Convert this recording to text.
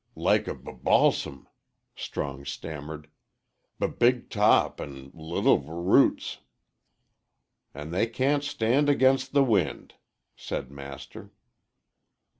"Like a b balsam," Strong stammered. "B big top an' little r roots." "And they can't stand against the wind," said Master.